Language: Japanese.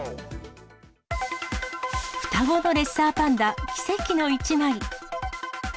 双子のレッサーパンダ、奇跡の１枚。